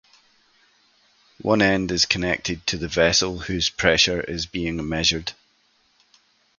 One end is connected to the vessel whose pressure is being measured.